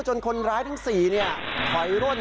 จนคนร้ายทั้งสี่เนี่ยถอยร่วนฮะ